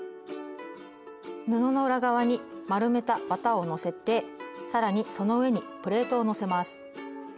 布の裏側に丸めた綿をのせて更にその上にプレートをのせます。